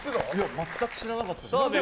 全く知らなかったです。